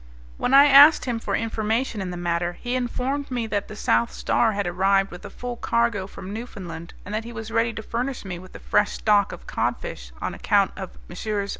When I asked him for information in the matter he informed me that the South Star had arrived with a full cargo from Newfoundland and that he was ready to furnish me with a fresh stock of codfish on account of Messrs.